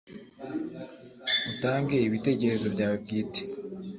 utange ibitekerezo byawe bwite,